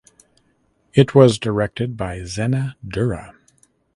It was directed by Zeina Durra.